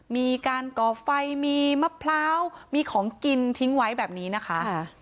มีการก่อไฟมีมะพร้าวมีของกินทิ้งไว้แบบนี้นะคะ